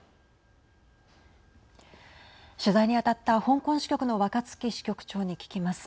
取材に当たった香港支局の若槻支局長に聞きます。